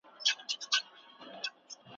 رسنۍ د جرګي غونډي څنګه خپروي؟